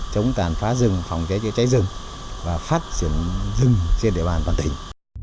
chống tàn phá rừng phòng chế chế cháy rừng và phát triển rừng trên địa bàn toàn tỉnh